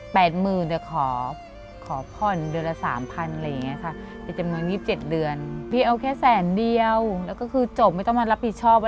พูดก่อนเจอก็มาช่วยเหลือว่าขอ๘๐๐๐๐ฯกระที่แต่ขอพิกัด๓๐๐๐อะไรอย่างแบบนี้ค่ะ